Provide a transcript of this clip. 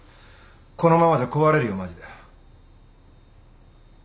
このままじゃ壊れるよマジで。